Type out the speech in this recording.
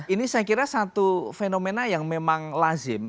ini saya kira satu fenomena yang memang lazim